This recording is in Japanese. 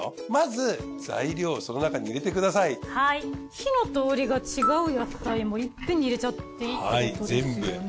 火の通りが違う野菜もいっぺんに入れちゃっていいってことですよね？